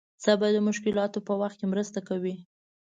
صبر د مشکلاتو په وخت کې مرسته کوي.